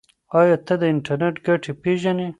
ایا ته د انټرنیټ ګټې پیژنې؟